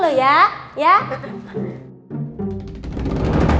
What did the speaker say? soalnya dia selesai montang apa ka ya